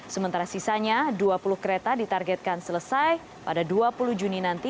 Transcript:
sementara sisanya dua puluh kereta ditargetkan selesai pada dua puluh juni nanti